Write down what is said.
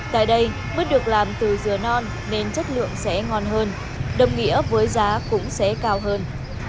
tại đây mứt được làm từ dừa non nên chất lượng sẽ ngon hơn đồng nghĩa với giá cũng sẽ cao hơn